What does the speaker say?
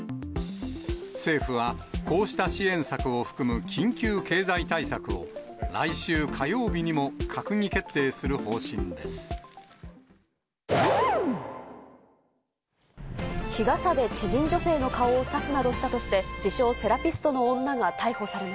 政府は、こうした支援策を含む緊急経済対策を、来週火曜日にも閣議決定する方針です。